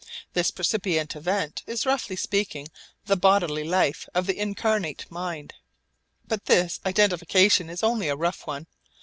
This percipient event is roughly speaking the bodily life of the incarnate mind. But this identification is only a rough one.